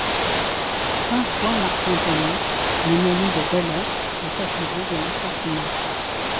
François Marcantoni, un ami de Delon, est accusé de l'assassinat.